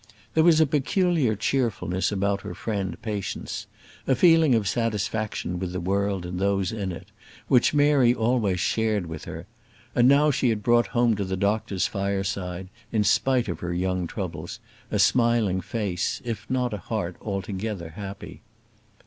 There was a peculiar cheerfulness about her friend Patience, a feeling of satisfaction with the world and those in it, which Mary always shared with her; and now she had brought home to the doctor's fireside, in spite of her young troubles, a smiling face, if not a heart altogether happy.